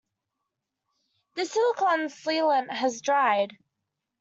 The silicon sealant has dried.